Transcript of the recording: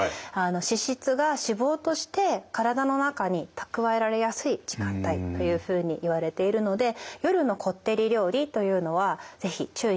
脂質が脂肪として体の中に蓄えられやすい時間帯というふうにいわれているので夜のこってり料理というのは是非注意していただきたいなと。